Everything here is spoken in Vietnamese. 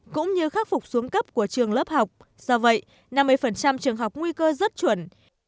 cũng như khắc phục xuống cấp của trường lớp học do vậy năm mươi trường học nguy cơ rất chuẩn